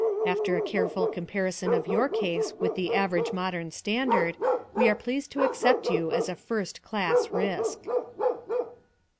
After a careful comparison of your case with the average modern standard, we are pleased to accept you as a first class risk."